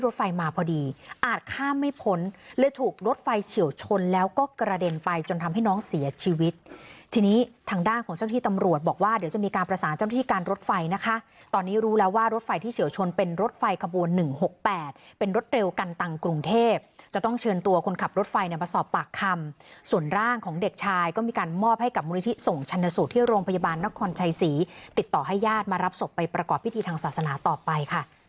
จะมีการประสานเจ้าหน้าที่การรถไฟนะคะตอนนี้รู้แล้วว่ารถไฟที่เฉียวชนเป็นรถไฟขบวน๑๖๘เป็นรถเร็วกันตังกรุงเทพจะต้องเชิญตัวคนขับรถไฟมาสอบปากคำส่วนร่างของเด็กชายก็มีการมอบให้กับมูลนิธิส่งชันสูตรที่โรงพยาบาลนครชายศรีติดต่อให้ญาติมารับศพไปประกอบพิธีทางศาสนาต่อไป